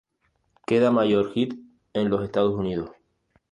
Queda mayor hit en los Estados Unidos.